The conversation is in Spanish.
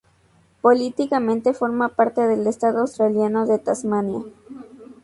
Políticamente forma parte del estado australiano de Tasmania.